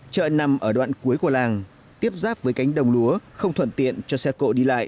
chợ nằm ở đoạn cuối của làng tiếp giáp với cánh đồng lúa không thuận tiện cho xe cộ đi lại